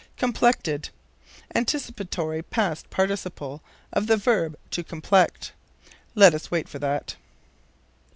Complected. Anticipatory past participle of the verb "to complect." Let us wait for that.